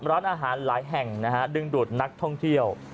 ร้านอาหารหลายแห่งนะฮะดึงดูดนักท่องเที่ยว